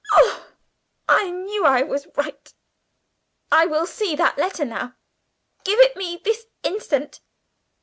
Oh, I knew I was right; I will see that letter now. Give it me this instant!"